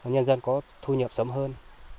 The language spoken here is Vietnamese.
nhân dân có thu nhập sớm hơn